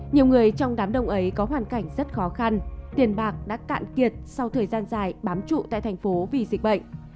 nhiều người trong đám đông ấy có hoàn cảnh rất khó khăn tiền bạc đã cạn kiệt sau thời gian dài bám trụ tại thành phố vì dịch bệnh